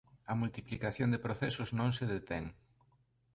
A multiplicación de procesos non se detén.